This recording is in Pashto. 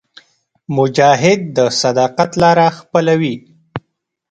مجاهد د صداقت لاره خپلوي.